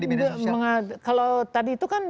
di media sosial kalau tadi itu kan